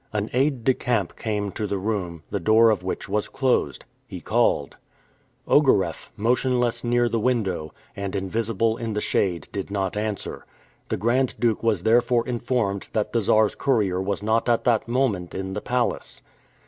An aide de camp came to the room, the door of which was closed. He called. Ogareff, motionless near the window, and invisible in the shade did not answer. The Grand Duke was therefore informed that the Czar's courier was not at that moment in the palace.